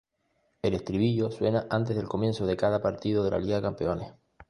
El estribillo suena antes del comienzo de cada partido de la Liga de Campeones.